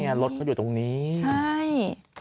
อ๋อเนี่ยรถเขาอยู่ตรงนี้ใช่